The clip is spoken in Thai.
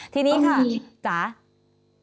ทีนี้ค่ะจ๋าก็มี